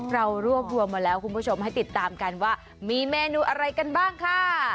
เรารวบรวมมาแล้วคุณผู้ชมให้ติดตามกันว่ามีเมนูอะไรกันบ้างค่ะ